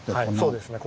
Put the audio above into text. そうですね